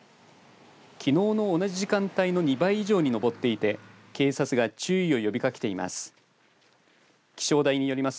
きのうの同じ時間帯の２倍以上に上っていて警察が注意を呼びかけています。